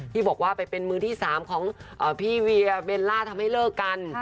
ที่บอกว่าไปเป็นมือที่๓ของพี่เวียเบลล่าทำให้เลิกกัน